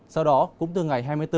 sau đó cũng từ ngày hai mươi bốn